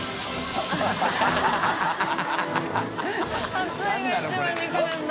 「熱い」が一番にくるんだ。